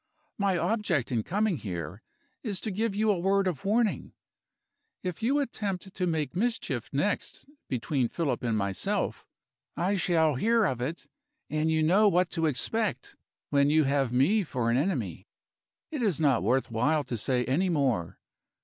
My object in coming here is to give you a word of warning. If you attempt to make mischief next between Philip and myself, I shall hear of it and you know what to expect, when you have me for an enemy. It is not worth while to say any more.